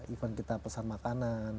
event kita pesan makanan